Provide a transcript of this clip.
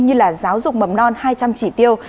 như là giáo dục mầm non hai trăm linh chỉ tiêu